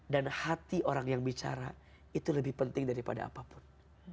dan hati orang yang bicara itu lebih penting daripada apapun